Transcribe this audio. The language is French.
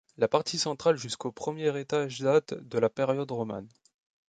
La partie centrale jusqu’au premier étage date de la période romane.